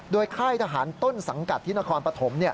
โดยค่ายทหารต้นสังกัดที่นครปฐม